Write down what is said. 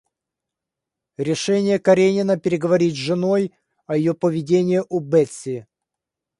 Решение Каренина переговорить с женой о ее поведении у Бетси.